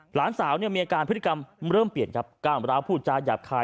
หลานสาวมีอาการพฤษภาคมเริ่มเปลี่ยนจับกล้ามร้าวภูตจาหยาบคาย